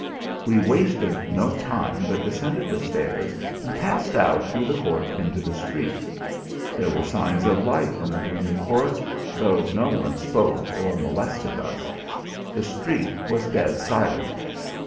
We wasted no time but descended the stairs and passed out through the court into the street. There were signs of life in the gloomy court, though no one spoke or molested us; the street was dead silent.